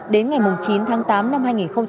đến ngày chín tháng tám năm hai nghìn một mươi tám